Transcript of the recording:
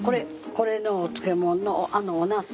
これのお漬物のおなす。